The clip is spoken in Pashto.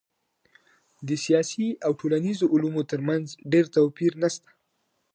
د سیاسي او ټولنیزو علومو ترمنځ ډېر توپیر نسته.